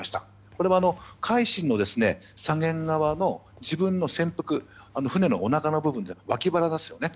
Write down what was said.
これは「海進」の左舷側の自分の船腹、船のおなかの部分脇腹ですね。